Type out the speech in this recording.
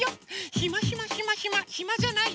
「ひまひまひまひまひまじゃない」